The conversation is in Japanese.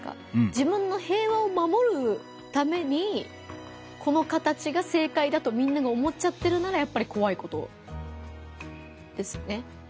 自分の平和をまもるためにこの形が正解だとみんなが思っちゃってるならやっぱりこわいことですね。